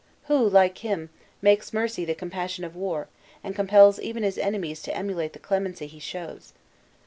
Who, like him, makes mercy the companion of war, and compels even his enemies to emulate the clemency he shows?